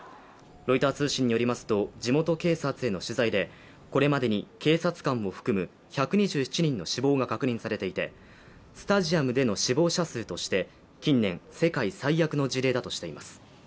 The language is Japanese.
ロイター通信によりますと地元警察への取材でこれまでに警察官を含む１２７人の死亡が確認されていてスタジアムでの死亡者数として近年、世界最悪の事例だとしています。